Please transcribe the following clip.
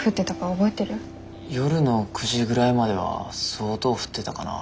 夜の９時ぐらいまでは相当降ってたかな。